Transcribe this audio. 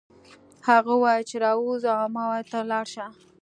هغه وویل چې راوځه او ما وویل ته لاړ شه